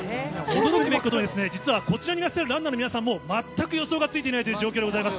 驚くべくことに、こちらにいらっしゃるランナーの皆さんも全く予想がついていないという状況でございます。